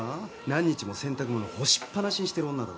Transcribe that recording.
何日も洗濯物干しっ放しにしてる女だぞ。